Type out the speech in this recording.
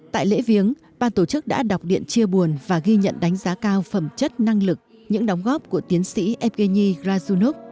tại lễ viếng ba tổ chức đã đọc điện chia buồn và ghi nhận đánh giá cao phẩm chất năng lực những đóng góp của tiến sĩ evgeny glazunov